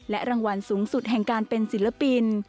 รางวัลสูงสุดแห่งการเป็นศิลปิน